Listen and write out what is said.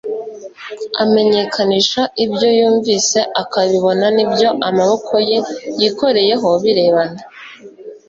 Amenyekanisha ibyo yumvise akabibona n'ibyo amaboko ye yikoreyeho birebana